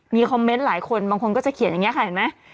มีคอมเมนต์หลายคนบางคนก็จะเขียนอย่างนี้ค่ะเห็นไหม